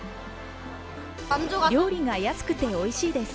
料理が安くておいしいです。